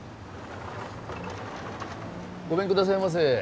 ごめんくださいませ。